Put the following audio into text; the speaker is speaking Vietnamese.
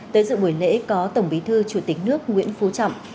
tới dự buổi lễ có tổng bí thư chủ tịch nước nguyễn phú trọng